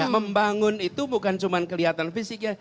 membangun itu bukan cuma kelihatan fisik ya